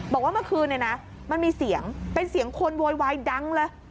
บอกว่าเมื่อคืนเนี่ยนะมันมีเสียงเป็นเสียงคนโวยวายดังเลย